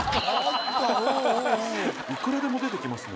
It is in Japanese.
いくらでも出てきますね。